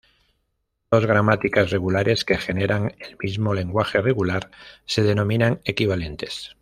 Dos gramáticas regulares que generan el mismo lenguaje regular se denominan equivalentes.